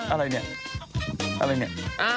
อะไรเนี่ย